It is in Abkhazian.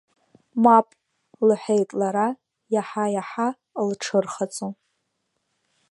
Мап, — лҳәеит, лара иаҳа-иаҳа лҽырхаҵо.